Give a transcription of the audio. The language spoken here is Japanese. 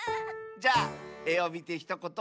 じゃあ「えをみてひとこと」